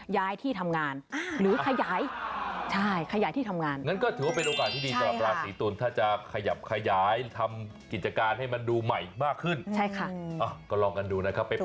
แต่ทีนี้งานเยอะมีโปรเจคใหญ่เข้ามา